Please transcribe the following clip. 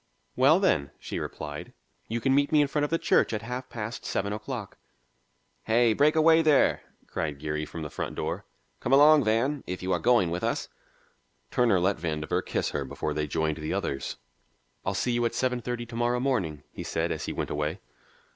"Well, then," she replied, "you can meet me in front of the church at half past seven o'clock." "Hey, break away there!" cried Geary from the front door. "Come along, Van, if you are going with us." Turner let Vandover kiss her before they joined the others. "I'll see you at seven thirty to morrow morning," he said as he went away.